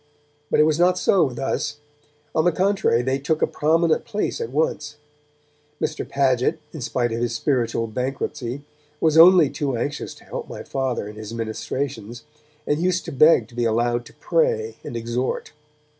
But it was not so with us; on the contrary, they took a prominent place at once. Mr. Paget, in spite of his spiritual bankruptcy, was only too anxious to help my Father in his ministrations, and used to beg to be allowed to pray and exhort.